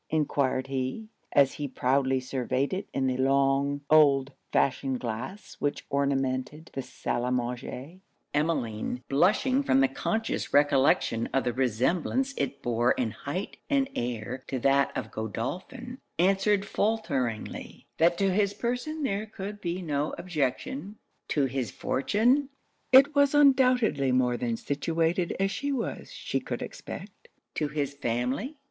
enquired he, as he proudly surveyed it in the long old fashioned glass which ornamented the sal a manger. Emmeline, blushing from the conscious recollection of the resemblance it bore in height and air to that of Godolphin, answered faulteringly 'That to his person there could be no objection.' 'To his fortune?' 'It was undoubtedly more than situated as she was she could expect.' 'To his family?'